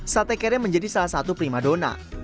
sate kere menjadi salah satu prima dona